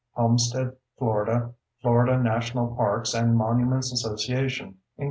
_ Homestead, Florida: Florida National Parks and Monuments Association, Inc.